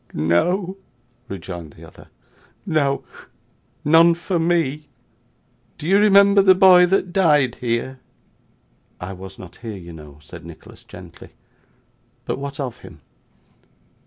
'No,' rejoined the other, 'no; none for me. Do you remember the boy that died here?' 'I was not here, you know,' said Nicholas gently; 'but what of him?